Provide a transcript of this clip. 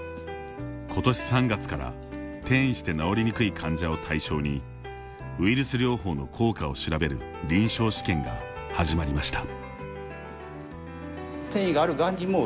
ことし３月から転移して治りにくい患者を対象にウイルス療法の効果を調べる臨床試験が始まりました。